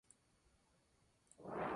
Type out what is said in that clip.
Sitio Web